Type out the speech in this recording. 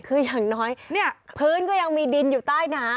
คืออย่างน้อยพื้นก็ยังมีดินอยู่ใต้น้ำ